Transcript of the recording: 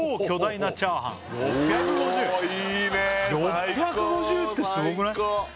６５０ってすごくない？